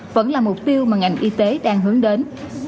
vẫn là mục tiêu mà ngành y tế đang hướng đến